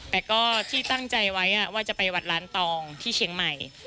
แต่ก็ที่ตั้งใจไว้ว่าจะไปวัดล้านตองที่เชียงใหม่